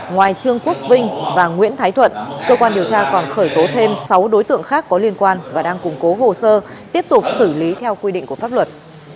ngoài trương quốc vinh và nguyễn thái thuận cơ quan điều tra còn khởi tố thêm sáu đối tượng khác có liên quan và đang củng cố hồ sơ tiếp tục xử lý theo quy định của pháp luật